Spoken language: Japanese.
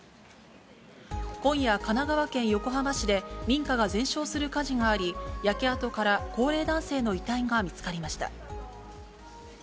今夜、神奈川県横浜市で民家が全焼する火事があり、焼け跡から高齢男性の遺体が見つかりました。